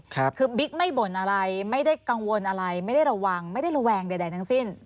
คือบิ๊กไม่บ่นอะไรไม่ได้กังวลอะไรไม่ได้ระวังไม่ได้ระแวงใดทั้งสิ้น